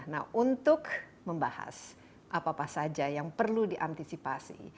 nah untuk membahas apa apa saja yang perlu diantisipasi